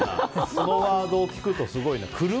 このワードを聞くとすごいな。